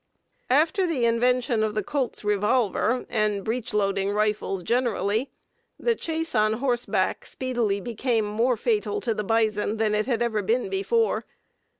After the invention of the Colt's revolver, and breech loading rifles generally, the chase on horseback speedily became more fatal to the bison than it ever had been before.